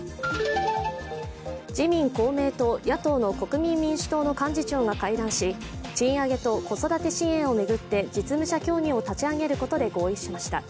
自民・公明と野党の国民民主党の幹事長が会談し賃上げと子育て支援を巡って実務者協議を立ち上げることで合意しました。